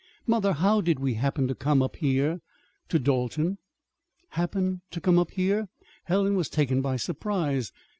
"Mother, how did we happen to come up here, to Dalton?" "Happen to come up here?" Helen was taken by surprise.